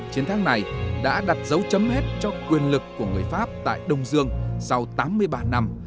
chiến thắng này đã đặt dấu chấm hết cho quyền lực của người pháp tại đông dương sau tám mươi ba năm